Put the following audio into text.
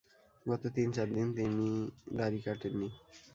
গত তিন-চার দিন দাড়ি কাটেন নি।